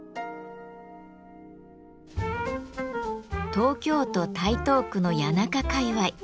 東京都台東区の谷中界わい。